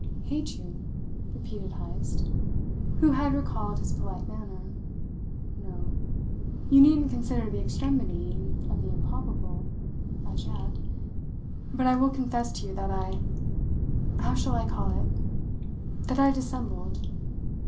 "Hate you?" repeated Heyst, who had recalled his polite manner. "No! You needn't consider the extremity of the improbable as yet. But I will confess to you that I how shall I call it? that I dissembled.